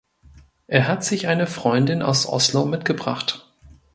Er hat sich eine Freundin aus Oslo mitgebracht.